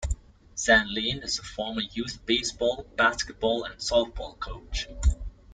Sandlin is a former youth baseball, basketball, and softball coach.